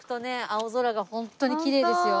青空がホントにきれいですよ。